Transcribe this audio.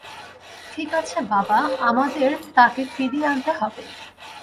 ঠিক আছে বাবা, আমাদের তাকে ফিরিয়ে আনতে হবে।